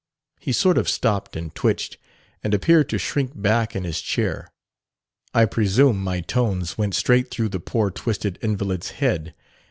He sort of stopped and twitched, and appeared to shrink back in his chair: I presume my tones went straight through the poor twisted invalid's head.